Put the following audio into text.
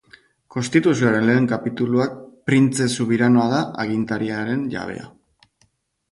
Konstituzioaren lehen kapituluak Printze subiranoa da agintearen jabea.